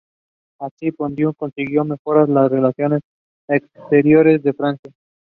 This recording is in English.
He also has an improving slider.